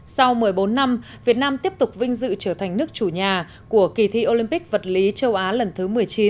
sau một mươi bốn năm việt nam tiếp tục vinh dự trở thành nước chủ nhà của kỳ thi olympic vật lý châu á lần thứ một mươi chín